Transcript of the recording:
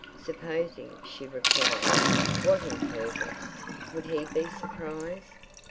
Supposing she replied, "What impertinence!" would he be surprised?